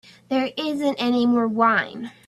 There isn't any more wine.